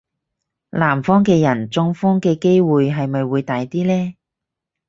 南方嘅人中風嘅機會係咪會大啲呢?